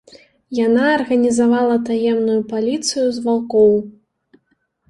Яна арганізавала таемную паліцыю з ваўкоў.